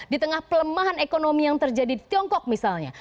di tengah pelemahan ekonomi yang terjadi di tiongkok misalnya